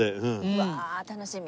うわあ楽しみ。